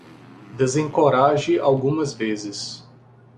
Desencoraje algumas vezes.